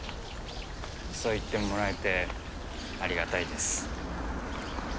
そう言ってもらえてありがたいです。